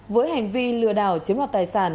với hành vi lừa đảo chiếm lọt tài sản